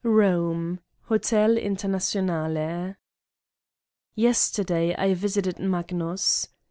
Eome, Hotel " Internationale. " Yesterday I visited Magnus.